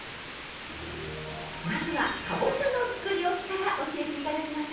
まずはかぼちゃのつくりおきから教えて頂きましょう。